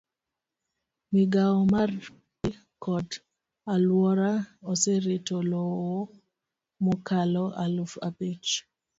Migawo mar pi kod alwora oserito lowo mokalo aluf abich.